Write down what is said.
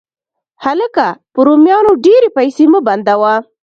هلکه! په رومیانو ډېرې پیسې مه بندوه